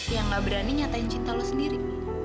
yang gak berani nyatain cinta lo sendiri